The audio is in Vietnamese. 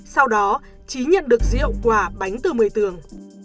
sau đó trí nhận được rượu quả bánh từ một mươi tường